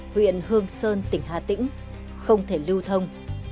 huyện hương sơn tỉnh hà tĩnh không thể lưu thông